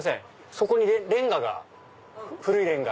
そこにレンガが古いレンガ。